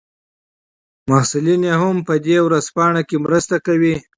محصلین هم په دې ژورنال کې مرسته کوي.